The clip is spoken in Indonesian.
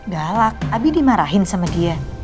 galak abi dimarahin sama dia